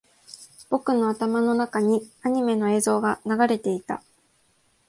僕の頭の中にアニメの映像が流れていた